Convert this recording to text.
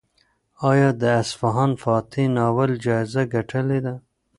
ایا د اصفهان فاتح ناول جایزه ګټلې ده؟